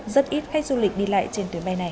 rất ít khách du lịch đi lại trên tuyến bay này